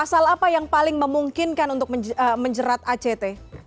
pasal apa yang paling memungkinkan untuk menjerat act